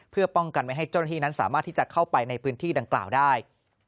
เพื่อป้องกันไม่ให้เจ้าหน้าที่นั้นสามารถที่จะเข้าไปในพื้นที่ดังกล่าวได้